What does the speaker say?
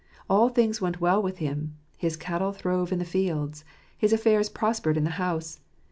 All things went well with him his cattle throve in the field j his affairs prospered in the house.